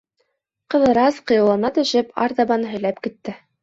Ҡыҙырас, ҡыйыулана төшөп, артабан һөйләп китте.